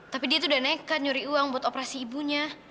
tapi dia tuh udah nekat nyuri uang buat operasi ibunya